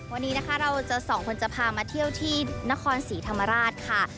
วันนี้นะคะเราจะสองคนจะพามาเที่ยวที่นครศรีธรรมราชค่ะ